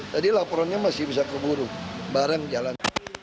jadi laporannya masih bisa keburu bareng jalan